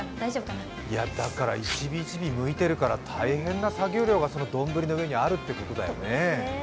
１尾１尾むいているから大変な作業が丼の上にあるってことだよね。